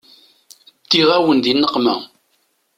Ddiɣ-awen di nneqma.